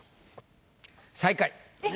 最下位。え！